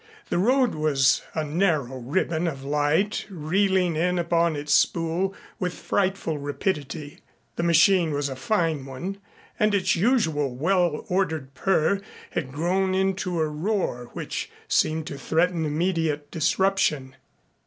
The road was a narrow ribbon of light reeling in upon its spool with frightful rapidity. The machine was a fine one and its usual well ordered purr had grown into a roar which seemed to threaten immediate disruption.